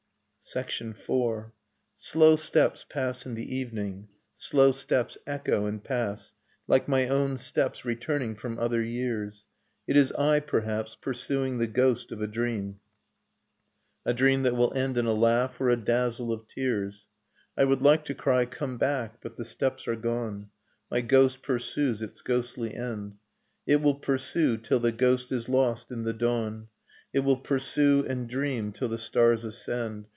Sonata in Pathos IV. Slow steps pass in the evening. . .slow steps echo and pass, Like my own steps returning from other years ; It is I, perhaps, pursuing the ghost of a dream, A dream tliat will end in a laugh, or a dazzle of tears. .. I would like to cry 'Come back !' but the steps are gone, My ghost pursues its ghostly end. It will pursue till the ghost is lost in the dawn ; It will pursue and dream till the stars ascend.